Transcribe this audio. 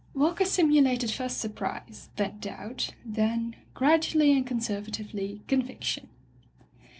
Walker simulated first surprise, then doubt, then, gradually and conservatively, conviction.